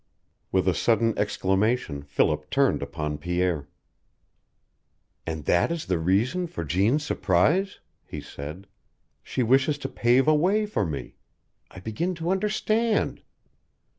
With a sudden exclamation Philip turned upon Pierre. "And that is the reason for Jeanne's surprise?" he said. "She wishes to pave a way for me. I begin to understand!"